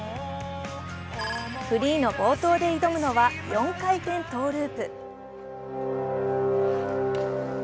フリーの冒頭で挑むのは４回転トゥループ。